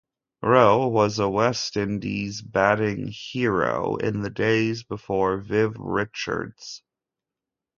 Rowe was a West Indies batting "hero" in the days before Viv Richards.